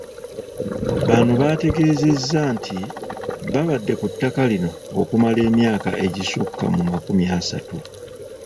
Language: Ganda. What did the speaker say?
Bano baategeezezza nti babadde ku ttaka lino okumala emyaka egisukka mu makumi asatu.